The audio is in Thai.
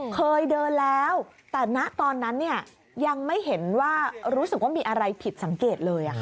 เคยเดินแล้วแต่ณตอนนั้นยังไม่เห็นว่ารู้สึกว่ามีอะไรผิดสังเกตเลย